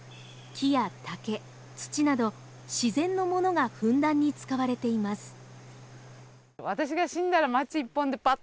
木や竹土など自然のものがふんだんに使われています。